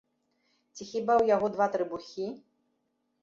Ці хіба ў яго два трыбухі?